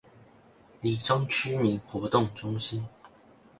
黎忠區民活動中心